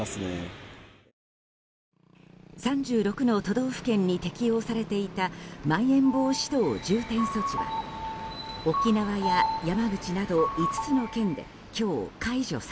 ３６の都道府県に適用されていたまん延防止等重点措置は沖縄や山口など